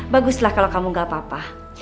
baguslah kalau kamu gak apa apa